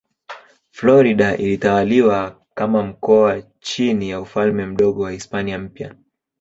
Florida ilitawaliwa kama mkoa chini ya Ufalme Mdogo wa Hispania Mpya.